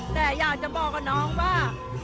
แต่อยากจะบอกกับน้องว่า